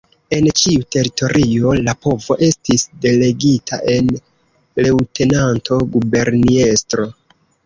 En ĉiu teritorio la povo estis delegita en Leŭtenanto-Guberniestro.